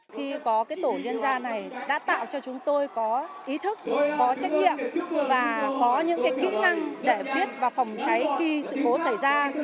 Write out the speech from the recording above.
khi có tổ liên gia này đã tạo cho chúng tôi có ý thức có trách nhiệm và có những kỹ năng để biết và phòng cháy khi sự cố xảy ra